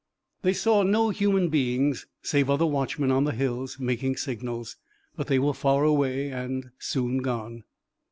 They saw no human beings, save other watchmen on the hills making signals, but they were far away and soon gone.